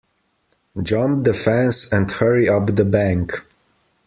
Jump the fence and hurry up the bank.